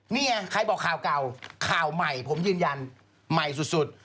นี่ไงใครบอกข่าวเก่าข่าวใหม่ผมยืนยันใหม่สุด